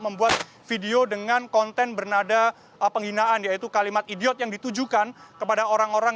membuat video dengan konten bernada penghinaan yaitu kalimat idiot yang ditujukan kepada orang orang